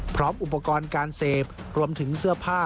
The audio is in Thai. พร้อมอุปกรณ์การเสพรวมถึงเสื้อผ้า